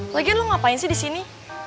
lagian lo ngapain sih disini